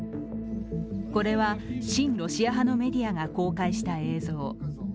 これは、親ロシア派のメディアが公開した映像。